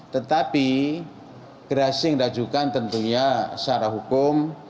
tetapi gerasi yang diajukan tentunya secara hukum